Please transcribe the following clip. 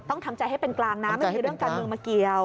ทำใจให้เป็นกลางนะไม่มีเรื่องการเมืองมาเกี่ยว